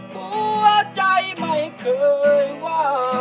หัวใจไม่เพิ่ง